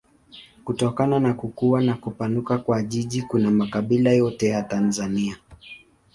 Kutokana na kukua na kupanuka kwa jiji kuna makabila yote ya Tanzania.